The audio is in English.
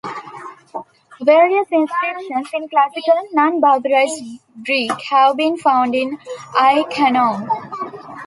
Various inscriptions in Classical, non-barbarized, Greek have been found in Ai-Khanoum.